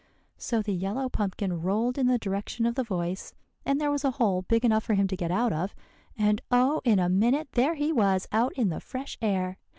So the yellow pumpkin rolled in the direction of the voice; and there was a hole big enough for him to get out of, and oh! in a minute there he was out in the fresh air.